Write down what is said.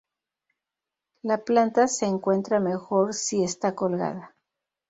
La planta se encuentra mejor si está colgada.